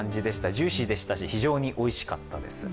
ジューシーでしたし、非常においしかったです。